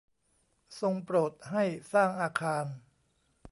ทรงโปรดให้สร้างอาคาร